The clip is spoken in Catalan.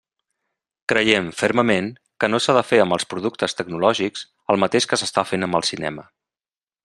Creiem, fermament, que no s'ha de fer amb els productes tecnològics el mateix que s'està fent amb el cinema.